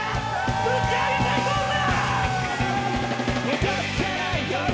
ぶち上げていこうぜ！